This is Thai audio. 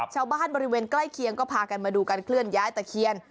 บริเวณใกล้เคียงก็พากันมาดูการเคลื่อนย้ายตะเคียน